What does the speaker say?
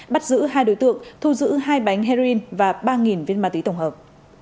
bắt giữ hai đối tượng thu giữ hai bánh heroin và ba viên ma túy tổng hợp